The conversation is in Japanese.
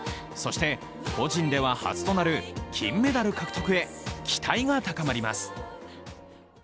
そして個人では初となる金メダル獲得へ期待が高まります。